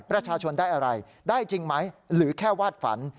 ประชาชนได้อะไรได้จริงไหมหรือแค่วาดฝัน